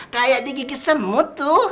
kayak digigit semut tuh